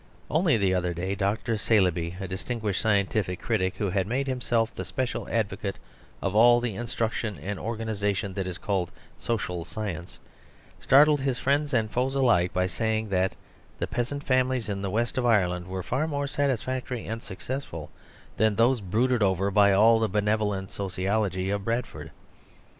Only the other day Dr. Saleeby, a distinguished scientific critic who had made himself the special advocate of all the instruction and organisation that is called social science, startled his friends and foes alike by saying that the peasant families in the West of Ireland were far more satisfac tory and succeessful than those brooded over by all the benevolent sociology of Bradford.